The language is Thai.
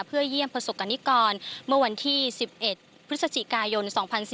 เพื่อเยี่ยมประสบกรณิกรเมื่อวันที่๑๑พฤศจิกายน๒๔๙